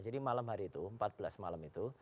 jadi malam hari itu empat belas malam itu